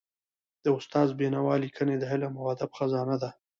د استاد بینوا ليکني د علم او ادب خزانه ده.